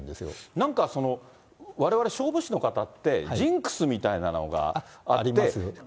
なんか、われわれ、勝負師の方って、ジンクスみたいなのがあります？